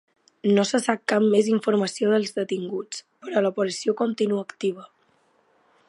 No se sap cap més informació dels detinguts, però l’operació continua activa.